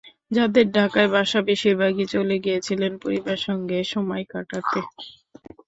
যাঁদের ঢাকায় বাসা, বেশির ভাগই চলে গিয়েছিলেন পরিবারের সঙ্গে সময় কাটাতে।